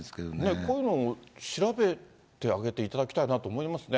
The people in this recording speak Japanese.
こういうの調べてあげていただきたいなと思いますね。